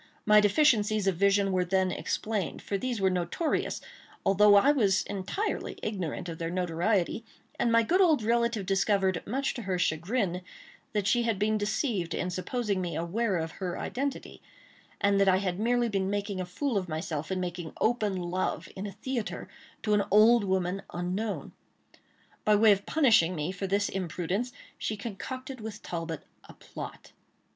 My deficiencies of vision were then explained; for these were notorious, although I was entirely ignorant of their notoriety, and my good old relative discovered, much to her chagrin, that she had been deceived in supposing me aware of her identity, and that I had been merely making a fool of myself in making open love, in a theatre, to an old woman unknown. By way of punishing me for this imprudence, she concocted with Talbot a plot.